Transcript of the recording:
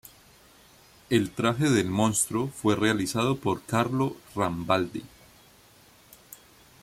El traje del monstruo fue realizado por Carlo Rambaldi.